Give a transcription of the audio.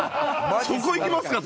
そこいきますか？